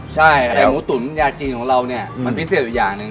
ใช่แต่หมูตุ๋นยาจีนของเราเนี่ยมันพิเศษอีกอย่างหนึ่ง